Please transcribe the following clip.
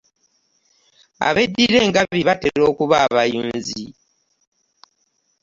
Abeddira engabi batera okuba abayunzi.